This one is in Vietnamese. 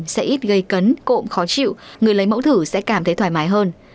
sẽ ít gây cấn cộm khó chịu người lấy mẫu thử sẽ cảm thấy thoải mái hơn